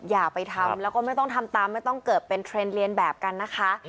อย่าไปทำแล้วก็ไม่ต้องทำตามไม่ต้องเกิดเป็นเทรนด์เรียนแบบกันนะคะ